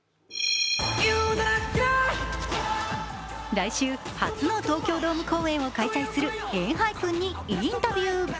来週、初の東京ドーム公演を開催するＥＮＨＹＰＥＮにインタビュー。